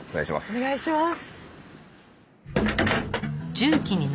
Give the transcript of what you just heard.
お願いします。